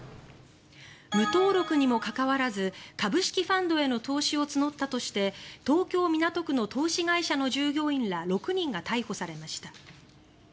無登録にもかかわらず株式ファンドへの投資を募ったとして東京・港区の投資会社の従業員ら６人が逮捕されました。